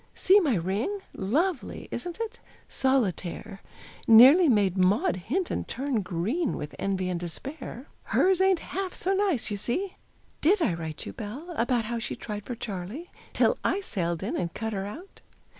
See my ring! Lovely, isn't it? Solitaire. Nearly made Maud Hinton turn Green with envy and despair. Her's ain't half so nice, you see. Did I write you, Belle, about How she tried for Charley, till I sailed in and cut her out?